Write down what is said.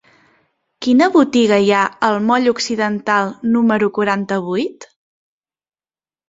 Quina botiga hi ha al moll Occidental número quaranta-vuit?